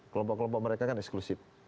kelompok kelompok mereka kan eksklusif